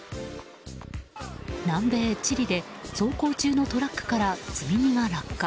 南米チリで走行中のトラックから積み荷が落下。